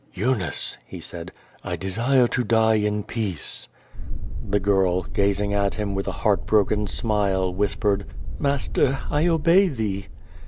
"Eunice," he said, "I desire to die in peace." The girl, gazing at him with a heart broken smile, whis pered, "Master, I obey thee."